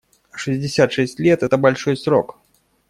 Шестьдесят шесть лет − это большой срок.